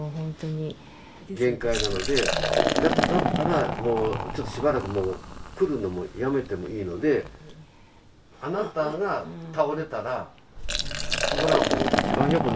限界なのでだったらもうちょっとしばらくもう来るのもやめてもいいのであなたが倒れたらそりゃもう一番よくないのでね。